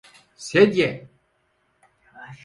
Sedye!